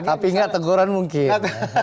tapi nggak teguran mungkin